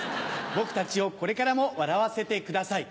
僕たちをこれからも笑わせてください」。